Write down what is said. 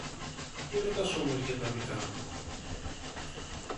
Μη ρωτάς όμως για τα δικά μου.